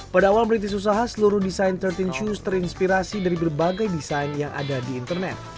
pada awal merintis usaha seluruh desain tiga belas shoes terinspirasi dari berbagai desain yang ada di internet